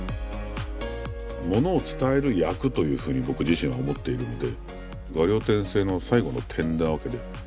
ものを伝える役というふうに僕自身は思っているので「画竜点睛」の最後の点なわけで。